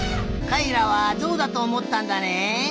かいらはゾウだとおもったんだね。